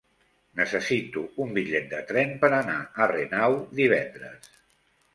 Necessito un bitllet de tren per anar a Renau divendres.